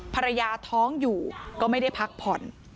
ภรรยาท้องอยู่ก็ไม่ได้พักผ่อน